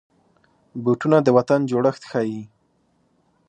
بوټونه د وطن جوړښت ښيي.